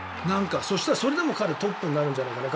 そうしたら、それでも彼トップになるんじゃないかな。